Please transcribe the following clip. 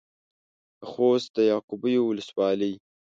د خوست د يعقوبيو ولسوالۍ.